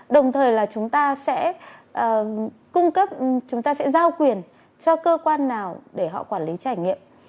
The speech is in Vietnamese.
đồng thời là chúng ta sẽ cung cấp chúng ta sẽ giao quyền cho cơ quan nào để họ quản lý trải nghiệm